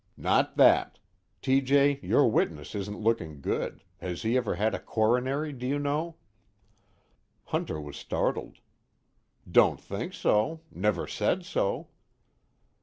"Not that. T.J., your witness isn't looking good. Has he ever had a coronary, do you know?" Hunter was startled. "Don't think so. Never said so."